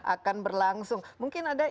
akan berlangsung mungkin ada